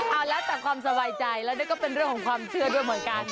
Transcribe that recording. เอาแล้วแต่ความสบายใจแล้วนี่ก็เป็นเรื่องของความเชื่อด้วยเหมือนกัน